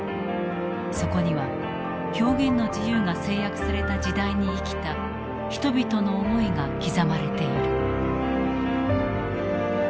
そこには表現の自由が制約された時代に生きた人々の思いが刻まれている。